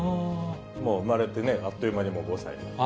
もう生まれてね、あっという間に５歳。